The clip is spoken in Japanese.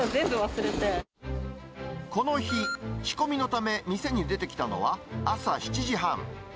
この日、仕込みのため店に出てきたのは、朝７時半。